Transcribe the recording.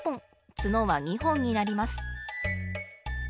角は２本になります。